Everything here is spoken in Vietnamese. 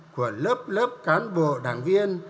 của lớp lớp cán bộ đảng viên